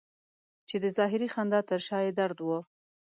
چې د ظاهري خندا تر شا یې درد و.